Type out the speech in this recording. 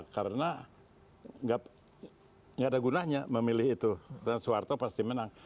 karena nggak ada gunanya memilih itu soeharto pasti menang